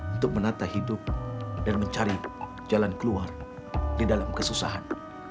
untuk menata hidup dan mencari jalan keluar di dalam kesusahan